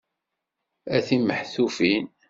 A timehtufin!